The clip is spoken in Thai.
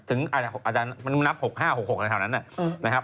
ถึงอาจารย์มนับ๖๕หรือ๖๖อะไรเท่านั้นนะนะครับ